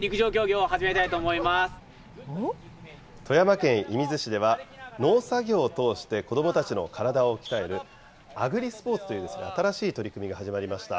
富山県射水市では、農作業を通して子どもたちの体を鍛える、アグリスポーツという新しい取り組みが始まりました。